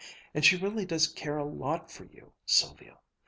And she really does care a lot for you, Sylvia.